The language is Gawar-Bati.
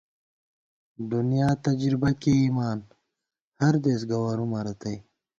دُنیا تجربہ کېئیمان، ہر دېس گوَرُومہ رتئ